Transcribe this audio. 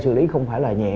sử lý không phải là nhẹ